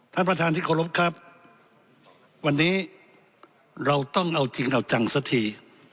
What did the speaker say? ท่านประธานที่เคารพครับวันนี้เราต้องเอาจริงเอาจังสักที